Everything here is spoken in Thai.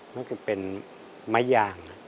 นั่นคือเป็นไม้ยาง